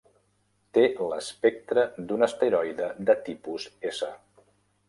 Té l'espectre d'un asteroide de tipus S.